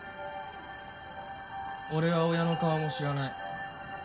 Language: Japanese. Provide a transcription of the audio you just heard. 俺は親の顔も知らない。